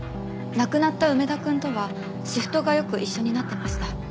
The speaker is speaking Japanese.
亡くなった梅田くんとはシフトがよく一緒になってました。